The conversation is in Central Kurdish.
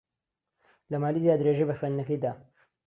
لە مالیزیا درێژەی بە خوێندنەکەی دا.